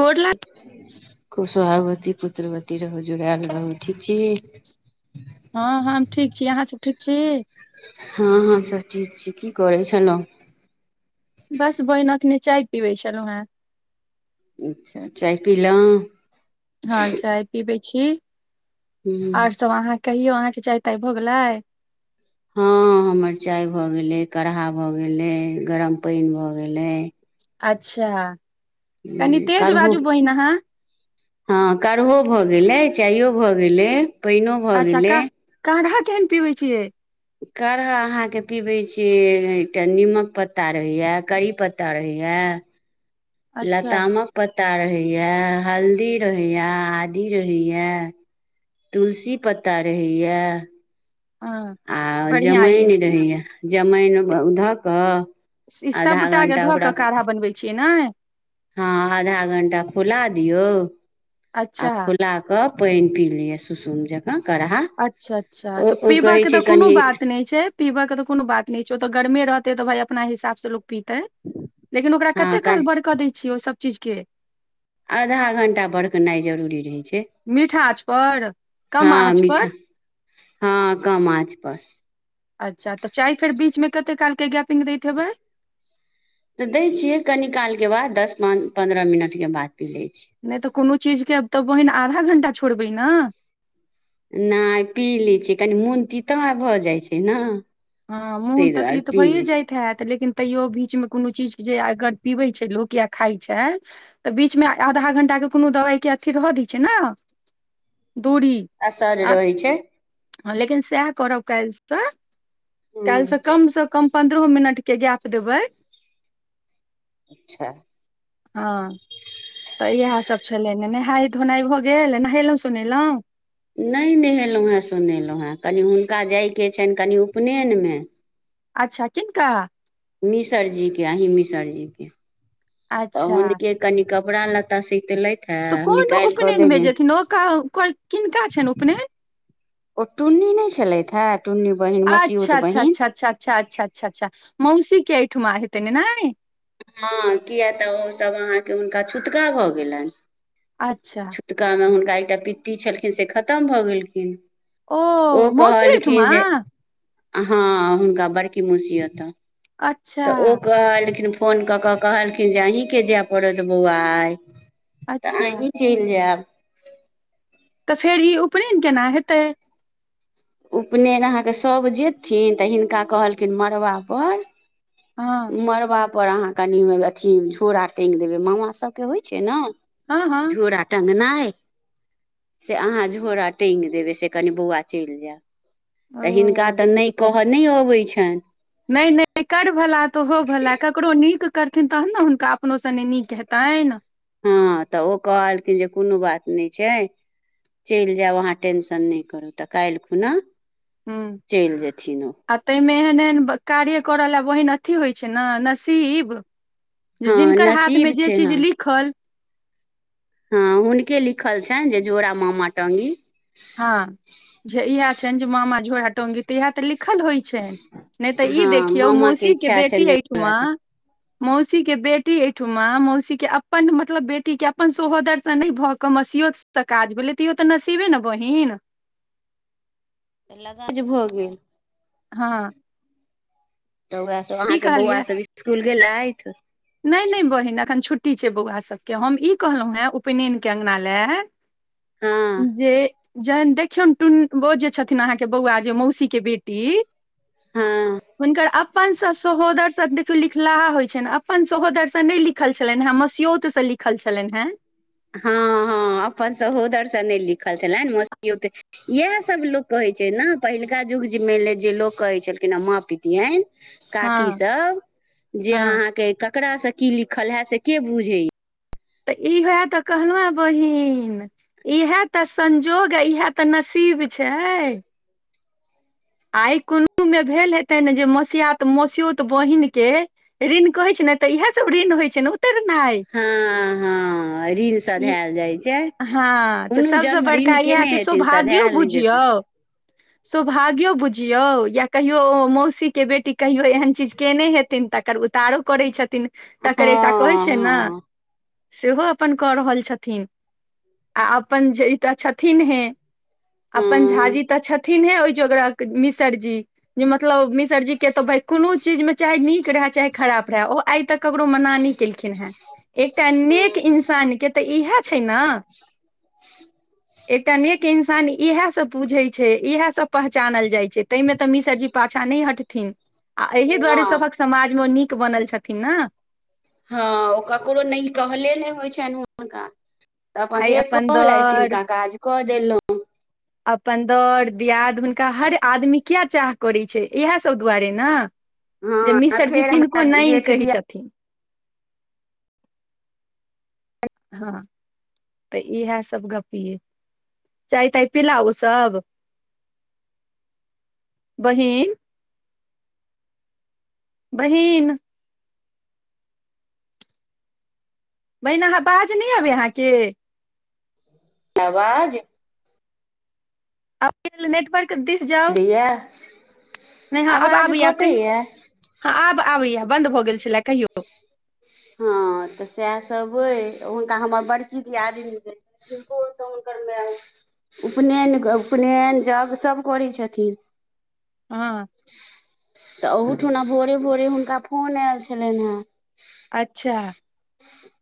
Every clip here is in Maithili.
गोर ल खूब स्वभावती पुत्रवती। की रहू जुड़ायल रहु ठीक छै हँ हम ठीक छी अहाँ सब ठीक छी हँ हमसभ ठीक छी कि करै छलहुँ बस बोनकने चाय पीबै छलू है। [unintelligible] चाय पीलों हँ चाय पीबै छी हूँ आर सभ अहाँ कहियौ अहाँकेँ चाय ताय भ गेलै ह, हम मरचाइ भऽ गेलै काढ़ा भऽ गेलै गरम पानि भऽ गेलै। अच्छ कारूओ [inaudible] हँ करहे भऽ गेलै चायो भऽ गेलै पानिओ भऽ अच्छा गेलै का काढ़ा केहन पीबै छियै? काढ़ा अहाँकेँ पीबैत छै एकटा निमक पत्ता रहैए करी पत्ता रहैए या [inaudible] लतामक पत्ता रहैए हल्दी, रहैए, आदी रहैए तुलसी पत्ता रहैया। हँ आ बढ़िआँ ये जमाइन रहैए जमाइन तऽ धऽ क ई सभटा के धऽ क काढ़ा बनबै छियै ने हँ, आधा घंटा खुला दियौ आ अच्छा खुला कऽ पानि पी लिआ सुसुम जक [unintelligible] अच्छा, अच्छा पीबा के तऽ कोनो बात नहि छै पीबऽ के तऽ कोनो बात न छै, ओतऽ गर्मे रहते तऽ भई अपना हिसाब से लोग पीते। लेकिन ओकरा हँ कते कनि काल बड़ कऽ दै छियै ओ सभ चीज के आधा घण्टा बरकनाइ जरूरी रहै छै। मीठा आँच पर कम हँ आँच पर। मीठा हँ कम आँच पर अच्छा तऽ चाय फेर बीच मेमे कते काल के गपिंग दैबै। तऽ दै छियै कनी काल मके बाद दस पन्द्रह मिनट के बाद पी लै छियै नहि तऽ कोनो चीजके आब तऽ बहिन आधा घंटा छोड़बै ने। नहि पी लै छियै कनि मुन्ती ता भऽ जाइत छै ने। हँ मुँह ताहि तऽ दुआरे तीतऽ पी भइ लै जाइत हैथ लेकिन तैयो बीचमे कोनो चीज जे अगर पीबै छै लोक या खाइ छै तऽ बीचमे आधा घंटाके कोनो दवाइ के अथी रह दै छै ने दूरी असर आ रहै छै। लेकिन सएह करब कएल तऽ काल्हिसँ हूँ कम सँ कम पन्द्रहो मिनटके गैप देबै अच्छा। हँ। तऽ इएह सब छले है नेहाय धोनाई भऽ गेल नहेलहुं सुोनेलहुँ नहि नहेलहुँ है सुनेलहुँ है कनि हुनका जायके छैन कनि उपनयनमे अच्छा किनकन कऽ मिसरजी के अहि मिसरजी के तऽ अच्छा हुनके कनी कपड़ा लत्ता सेतलेथ तऽ कोन उपनयन भे जेथिन ओ किनका छैन उपनयन ओ टुन्नी नहि छलथि हे टुन्नी बहिन अच्छा मसियूत अच्छा बहिन। अच्छा, अच्छा, अच्छा। अच्छा, अच्छा, मौसी की एहिठमा हेत ने हँ कए तऽ ओसभ अहाँकेँ हुनका छूटका भऽ गेलनि अच्छा। ओतका हुनका एकटा पित्ती छलखिन से खतम भऽ गेलखिन ओ मौसी एहिठमा कहलखिन जे। हँ हुनका बड़की मुसी हत ह अच्छा तऽ ओ कहलेकिन फोन कऽ के कहलखिन जे अहीके जाय पड़त बौआ आ तऽ अच्छा अही चलि जायब। तऽ फेर ई उपनयन केना हेतै। उपनयन अहाँकेँ सभ जेयथिन तऽ हिनका कहलखिन मड़बापर हँ मड़बापर अहाँ कनि अथी झोरा टाँगि देबै मामा सभके होइ छै ने हँ हँ झोराटंगनाय से अहाँ झोरा टाँगि देबै से कनि बौआ चलि जायब तऽ हिनका ओ तऽ नहि कहय नहि अबैत छनि नहि नहि कर भला तो हो भला ककरो नीक करथिन तहन ने हुनका अपनो सने नीक हेतनि हँ तऽ ओ कहलखिन जे कोनो बात नै छै चलि जायब अहाँ टेंशन नहि करू तऽ काइल खुना हू चलि जेथिन ओ [inaudible] तामे एहन एहन कार्य करऽ ल बहिन अथी होइ छै ने नसीब जे हँ जिनकर हाथ मे नसीब जे छै चीज हँ लिखल हँ हुनके लिखल छैन जे जोड़ा मामा टंगी हँ जे इह छनि जे मामा झोरा गी तऽ इएह तऽ लिखल होइ छ नहि तऽ ई हँ देखियौ मामा मौसी के इच्छा छनि बेटी जे जोड़ा एहिठुमा टाँगी य मौसी के बेटी एहिठमा मौसी के अपन मतलब बेटी के अपन सोहोदर से नहि भऽ कमसियो तऽ काज भेलै तऽ इो तऽ नसीबे ने बहिन लगाज भऽ गेल हँ [inaudible] तऽ उएह सब की अहाँकेँ बौआ कहलियै सब इसकुल गेलैथ नहि नहि बहिन अखन छुट्टी छै बौआ सभके हम ई कहलहुं है उपनयन के आंगना लै हँ जे जन औ अहके बौआ जे मौसी के बेटी हँ हुनकर अपनसँ सहोदरसँ लिखलाहा होइत छैन अपन सहोदरसँ नहि लिखल छलनि है मस्योत से लिखल छलनि है हँ हँ अपन सहोदरसँ नहि लिखल छलनि मसियौत इएह सभ लोक कहे छै ने पहिलुका युग जे मान ले जे लोक कहै छलखिन हे माँ पतियन हँ काकी सब जे हँ अहा के ककारासे की लिखल है से के बुझे य तऽ ई होए तऽ कहलहु ह बहिन इएह तऽ संजोग आ इह तऽ नसीब छै आइ कोनो मे भेल हेतै ने जे मसआात मसियोत बहिनक के ऋण कहै छै ने तऽ इएहे सब ऋण होइ छै ने उतेरना हँ हँ ऋण सधायल जाइ छै हँ तऽ कोनो सबस जन्म ऋण बड़का इएह केने छै हेथिन सौभाग्यो सधायल नहि बुझियौ जेतै सौभाग्यो बुझियौ या कहियो मौसीक के बेटी कहियो एहन चीज केने हेथिन तकर उतारो करै छथिन तकर एकटा कहै हँ छै ने हँ हँ सेहो अपन कऽ रहल छथिन आ अपन ई तऽ छथिन हे अपन हूँ झााजी तऽ छथिन हे ओहि जोगर मिसर जी जे मतलब मिसरजी केत भाय कोनो चीज में चाहे नीक रहै चाहे खराब रहै ओ आइ तक ककरो मना नहि केलखिन हेँ एकटा नेक नहि इंसान के त इहे छै ने इंसान इह सब पूझै छै इएह सब पहचानल जाइ छै ताहि मे तऽ मिसर जी पाछा नहि हटथिन आ एहि दुआरे सभक समाज मे ओ नीक बनल छथिन न हँ ओ ककरो नहि कहले नहि होइ छनि हुनका तऽ अपन आइ जे कहलथि दर तिनका काज कऽ देलहुँ अपन दर दियाद हुनका हर आदमी किया चाह करैत छै इएहसभ दुआरे ने जे हँ आ मिसरजी फेर हमरा किनको नै जेठ कहै दिया छथिन हँ तऽ इहे सब गप्प यै चाय-ताय पीला ओ सभ, बहिन। बहिन बहिन अहाँ वाज नै अबै अहाँके आवाज नेटवर्क दिस जाउ दैया नहि हँ अब आवाज आबैय आ कहीओ कटैया हँ आब आबैये बन्द भऽ गेल छले कहियौ। हँ, तऽ सएह सभ अछि हुनका हमर बड़की दियादनी। नको, सुन कर मै आ। उपनयन कऽ उपनयन जग सभ करै छथिन हँ तऽ ओहूठुना भोरे भोरे हुनका फोन आयल छलनि हेँ अच्छा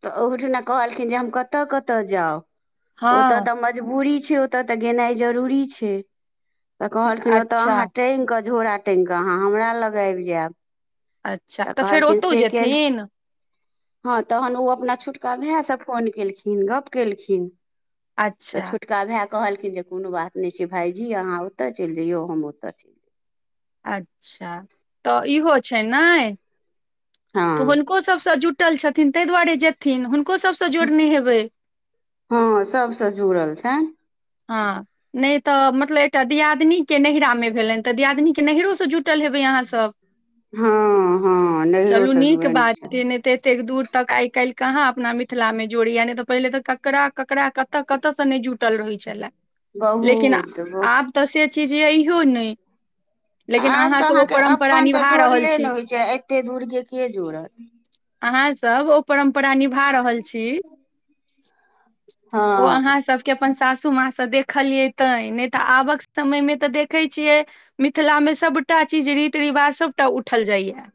तऽ ओहुठुना कहलखिन जे हम कतऽ कतऽ जाउ ओतऽ हँ तऽ म बूरी छै ओतऽ तऽ गेनाइ जरूरी छै तऽ कहलखिन ओतऽ अच्छा अहाँ टाँंग कऽ झोरा टाँंग कऽ अहाँ हमरा लग आब जायब अच्छा तऽ फेर कहलखिन ओतौ से केन जेथिन हँ तहन ओ अपना छोटका भय से फोन केलखिन गप केलखिन तऽ अच्छा छोट का भे कहलखिन जे कोनो बात नहि छै भायजी अहाँ ओतऽ चलि जइयौ हम ओतऽ चलि अच्छा तऽ इहो छै नइ जइयौ। तऽ हँ हुनको सभसँ जुटल छथिन तै दुआरे जेथिन हुनको सभसँ जोड़ने हेबै हँ सभ सँ जुड़ल छनि हँ नै तऽ मतलब एकटा दियादनी के नैहरा में भेले तऽ दियादिनी के नहरो सँ जुटल रहबै अहाँ सब हँ हँ चलूँ नैहरोसँ नीक जुड़ल बात छिये छथि न‌ तऽ ततेक दूर तक आई काल्हि कहाँ अपना मिथिला में जोड़ैया ने तऽ पहिले तऽ ककरा ककरा क तऽ कतय से नय जुटल रहै छले लेकिन बहुत बहु आब तऽ से चीज इहो ने आब तऽ अहाँके अपन तऽ निभा रहल जोड़ले छी ने होइत छै, एते दूरक के जोड़ल? अहाँ सब ओ परम्परा निभा रहल छी ओ अहाँ हँ सबके अपन साथ सूमा से देखलिये ते नै तऽ आबक समय में तऽ देखे छियै मिथिला में सबटा चीज रीति रिवाज सबटा उठल जाइया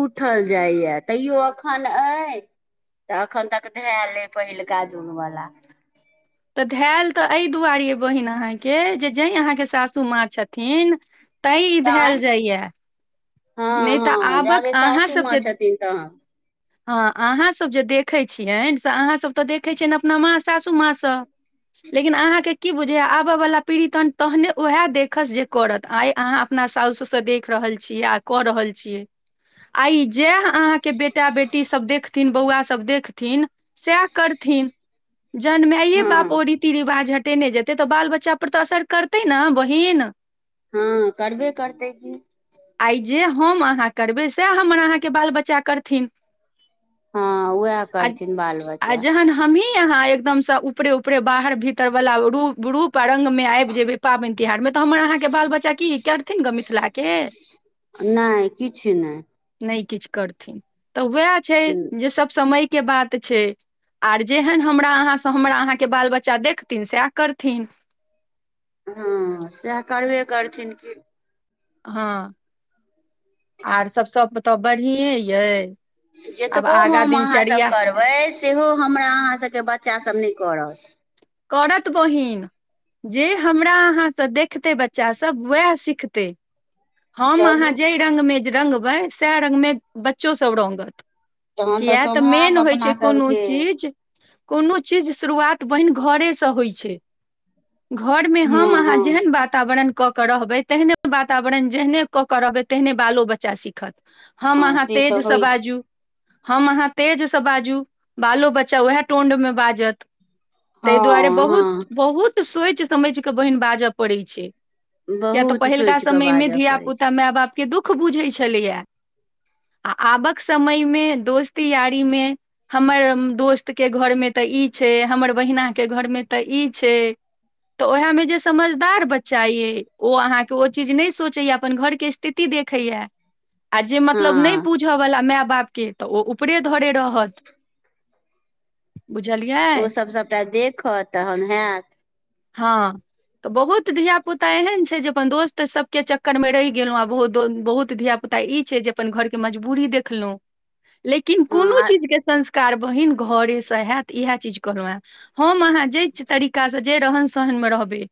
उठल जाइये तैयो अखन अइ तऽ एखन तक धेल अए पहिलका जुग वला तऽ धयल तऽ एहि दुआरे, बहिन, अहाँके जे सासू माँ छथिन तैँ ई भेल तैं जाइये हँ नै तऽ हँ आबक जाबे अहाँ सासू सब माँ जे छथिन तहन हँ अहाँसब जे देखैत छियनि से अहाँसब तऽ देखै छियनि अपना माँ सासू माँ सँ लेकिन अहाँके की बुझू, आबय वला पीढ़ी तहने तहने उएह देखत जे करत आइ अहाँ अपना सास-ससुर। देख रहल छी आ कऽ रहल छियै आइ जेह अहाँके बेटा बेटी सब देख न बौआ सब देखथिन सएह करथिन जनमाइए बाप ओर हँ रीति-रिवाज हटेने जेतै तऽ बाल-बच्चा पर तऽ असर करतै ने, बहिन। हँ करबे करतै की आइ जे हम अहाँ करबै सएह हमर अहाँके बाल बच्चा करथिन हँ उएह करथिन बाल आ बच्चा जहन ह हमी यहाँ एकदम से ऊपरे ऊपरे बाहर भीतर वला रूप रूप पारंग मे आबि जेबै पाबनि तिहार मे तऽ हमर अहाँके बाल बच्चा की करथिन गऽ मिथिला के नै किछ नय नय किछ करथिन तऽ उएह छै जे सब समय के बात छै आ जेहन हमरा अहाँसँ हमरा अहाँके बाल-बच्चा देखथिन, सएह करथिन। हँ सएह करबे करथिन की हँ आर सब सब तऽ बढ़िए यै आब जेतबो आगा हम अहाँसब दिनचर्या करबै सेहो हमरा अहाँ सबके बच्चासब नै करत करत बहिन जे हमरा अहाँ सँ देखतै बच्चा सब वएह सिखतै हम अहाँ चलू जै रग मे रङंबै सएह रंग र्मे बच्चोसभ रगत तहन किये तऽ सौभाग्य मेन होइ अपना छै कोनो सबके चीज कोनो चीजक शुरुआत, बहिन, घरे सँ होइ छै घर में हम हँ अहाँ हँ जेहन वातावरण कऽ कऽ रहबै तेहन वातावरण वरण जेहने कऽ के रहबै तेहने बालो बच्चा सिखत हम हँ अहाँ तऽ तेज से होइ छै बाजू हम अहाँ तेज सँ बाजू, बाल-बच्चा उएह टोन में बाजत। तै दुआरे हँ बहुत हँ बहुत सोच समझ कऽ बहिन बाजय पड़ैत छै बहुत सोच समय मे धिया पुता मे बाप के दुःख बुझै छलैयै आ आबय वला समयमे दोस्त-यारीमे। हमर दोस्त के घरमे तऽ ई छै हमर बहिना के घर में तऽ ई छै तऽ ओएह में जे समझदार बच्चा ये ओ अहाँके चीज ने सोचैया अपन घर के स्थिति देखैया आ जे मतलब नय हँ बुझ बुझ बला माय बाप के तऽ ओ ऊपरे धरे रहत बुझलियै ओसभ सभटा देखत तहन हेयत हँ तऽ बहुत धिया पुता एहन छै जे अपन दोस्त तऽ सबके चक्कर मे रहि गेलौं आ बहुत बहुत धिया पुता ई छै जे अपन घर के मजबूरी देखलौं लेकिन हँ कोनो आ चीज के संस्कार बहिन घरे सँ हयत इएह चीज कहलहु है हम अहाँ जे तरीका सँ जे रहन सहन में रहबै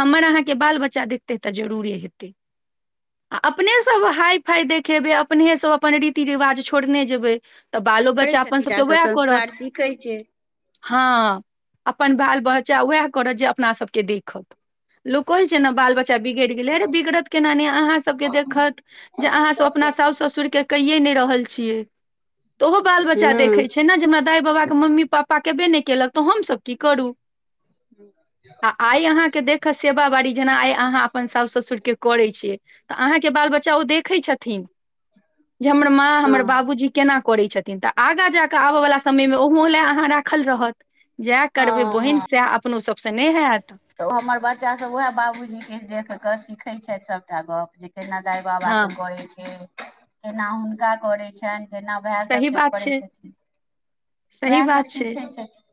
हमर अहाँके बाल बच्चा देखतै तऽ जरुरे हेतै अपने सब हाय फाइ देखेबै अपने सब अपन रीति रिवाज छोड़ने जेबै तऽ बालो करै बच्चा छथिन अपन सभके सब वएह संस्कार करत। सीखै छै हँ, अपन बाल बच्चा उएह करत जे अपना सभके देखत। लोक कहे छै, ने बाल बच्चा गड़ गेले हे रे बिगड़त केना अहाँ सभके देखत जे अहाँ सभ अपना साउ ससुर के कये नहि रहल छियै तऽ ओहो बाल बच्चा हँ देखै छै ने, जे हमरा दाइ बाबाके मम्मी। पापा केबे नै केलक तऽ हमसभ कि करूँ [inaudible] आ आइ अहाँकेँ देखत, सेवा बाड़ी जेना आइ अहाँ। अपन साउस ससुर के करै छियै तऽ अहाँके बाल बच्चा ओ देखै छथिन जे हमर माँ हँ हमर बाबूजी केना करैत छथिन तऽ आगा जाकऽ आबेऽ वला समय मे ओहो लए अहाँ राखल रहत जएह करबै हँ बहिन हँ सएह अपनो सभसँ नै हयत तऽ ओ हमर बच्चा सभ उएह बाबूजी देख कऽ सिखै छथि सभटा गप जे केना दाइ बाबाके हँ करैत छै, केना हुनका करैत छनि। जेना वएह सही सभके बात करै छै छथिन सही ओएह बात सभ छै सिखै छथिन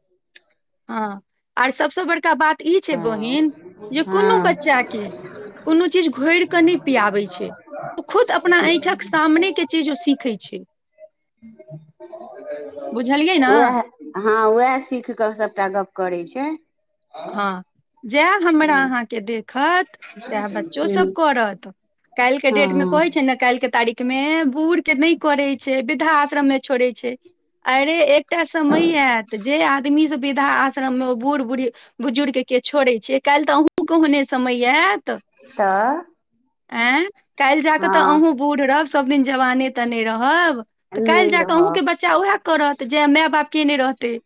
हँ आर सभसँ बड़का बात तऽ ई छै हँ बहिन जे कुनो हँ बच्चा के कोनो चीज घोइर कऽ नै पियाबै छै ओ खुद अपना आखिक सामनेक चीज ओ सीखै छै। बुझलियै ने ओएह हँ उएह सीख कऽ सभटा गप्प करैत छै हँ जएह हमरा अहाँकेँ देखत सएह ह बच्चोसभ करत काल्हि के डेट मे हँ कहैत छै, ने काल्हि के तारीख मे बूढ़ के नहि करैत छै वृद्धा आश्रम मे छोड़े छै, अरे एक एकटा समय आयत जे आदमी से वृद्धा आश्रममे ओ बूढ़ बुढ़ बुजुर्गके छोड़ै छियै काल्हि तऽ अहूँ कहहने समय आयत तऽ आय काल्हि जा कऽ तऽ हँ अहूँ बूढ़ रहब सभदिन जवाने तऽ नहि रहब। तऽ काल्हि नहि जा कऽ अहूँ के रहब बच्चा उएह करत जे माय बाप के नहि रहतै